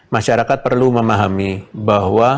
masyarakat perlu memahami bahwa